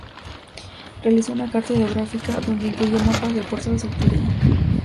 Realizó una Carta Hidrográfica donde incluyó mapas del puerto de su autoría.